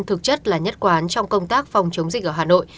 thực chất là nhất quán trong công tác phòng chống dịch ở hà nội